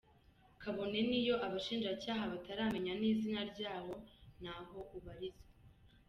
Kabone n’iyo abashinjacyaha bataramenya n’izina ryawo naho ubarizwa.